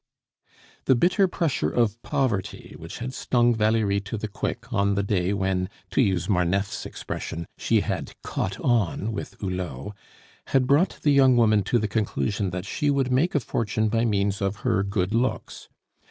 The bitter pressure of poverty which had stung Valerie to the quick on the day when, to use Marneffe's expression, she had "caught on" with Hulot, had brought the young woman to the conclusion that she would make a fortune by means of her good looks.